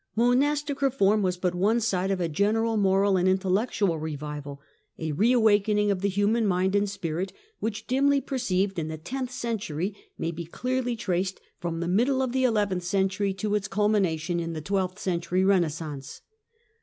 Monastic reform was but one side of a general moral and Revival of intellectual revival, a reawakening of the human mind and and'^^^"^ spirit, which, dimly perceived in the tenth century, may E^^c^^^o^ be clearly traced from the middle of the eleventh century to its culmination in the " twelfth century Eenaissance."